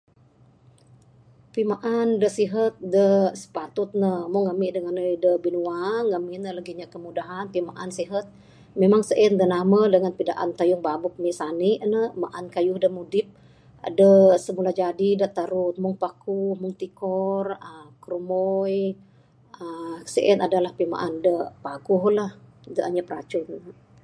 Pimaan da sihat da sipatut ne meng ami ngandai da binua ngamin ne lagi anyap kemudahan sihat memang sien da namal dangan tayung babuk ami sani ne maan kayuh da mudip adeh da semula jadi da tarun meng pakuh, meng tikor, krumoi aaa sien adalah pimaan da paguh lah da anyap racun ne.